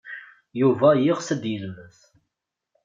Yuba yeɣs ad yelmed.